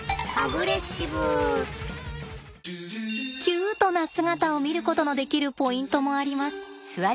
キュートな姿を見ることのできるポイントもあります。